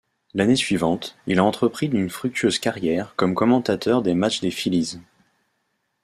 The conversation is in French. L'année suivante, il a entrepris une fructueuse carrière comme commentateur des matchs des Phillies.